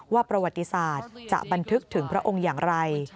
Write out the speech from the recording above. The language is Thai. ประวัติศาสตร์จะบันทึกถึงพระองค์อย่างไร